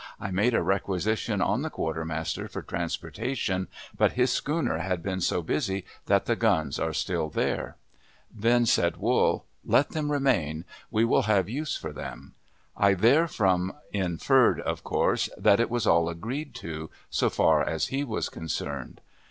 I made a requisition on the quartermaster for transportation, but his schooner has been so busy that the guns are still there." Then said Wool: "Let them remain; we may have use for them." I therefrom inferred, of course, that it was all agreed to so far as he was concerned.